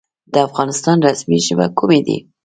د افغانستان رسمي ژبې کومې دي؟